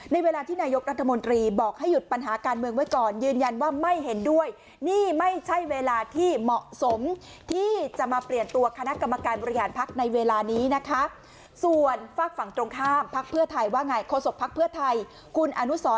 ในเวลาที่นายกรัฐมนตรีบอกให้หยุดปัญหาการเมืองไว้ก่อน